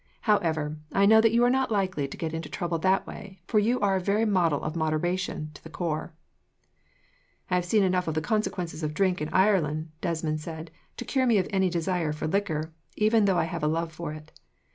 However, I know that you are not likely to get into trouble that way, for you are a very model of moderation, to the corps." "I have seen enough of the consequences of drink in Ireland," Desmond said, "to cure me of any desire for liquor, even had I a love for it.